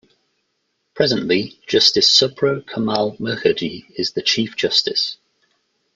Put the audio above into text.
Presently, Justice Subhro Kamal Mukherjee is the Chief Justice.